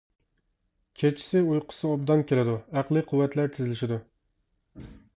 كېچىسى ئۇيقۇسى ئوبدان كېلىدۇ، ئەقلىي قۇۋۋەتلەر تېزلىشىدۇ.